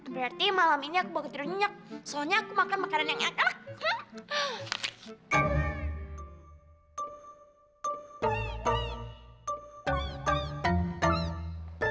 berarti malam ini aku bawa ke tidur nyenyak soalnya aku makan makanan yang enak